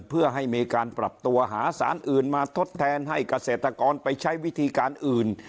เพื่อให้มีการปรับตัวหาสารอื่นมาทดแทนให้เกษตรกรไปใช้วิธีการอื่น